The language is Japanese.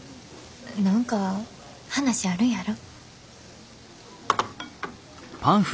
何か話あるんやろ？